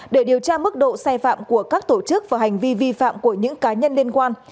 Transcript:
để điều tra mức độ sai phạm của các tổ chức và hành vi vi phạm của những cá nhân liên quan